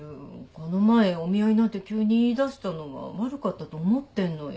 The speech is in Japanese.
この前お見合いなんて急に言いだしたのは悪かったと思ってんのよ